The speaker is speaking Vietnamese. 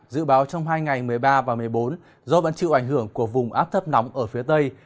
dự báo trong hai ngày một mươi ba và một mươi bốn do vẫn chịu ảnh hưởng của vùng áp thấp nóng ở phía tây